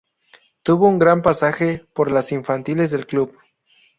Tuvo un gran pasaje por las infantiles del club.